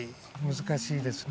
難しいですね。